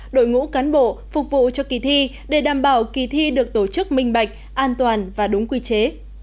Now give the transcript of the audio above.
đội ngũ cán bộ phục vụ cho kỳ thi để đảm bảo kỳ thi được tổ chức minh bạch an toàn và đúng quy chế